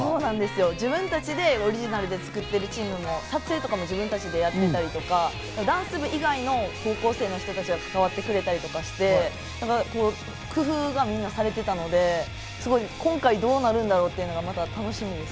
自分たちでオリジナルで作ってるチームも、撮影も自分たちでやってたり、ダンス以外の高校生の人たちが関わってくれたりして、みんな工夫がされていたので、今回どうなるんだろう？っていうのがまた楽しみです。